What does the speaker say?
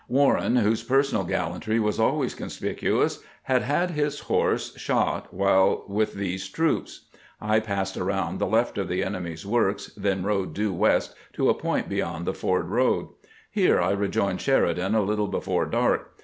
Warren, whose personal gal lantry was always conspicuous, had had his horse shot while with these troops. I passed around the left of the enemy's works, then rode due west to a point beyond the Ford road. Here I rejoined Sheridan a little before dark.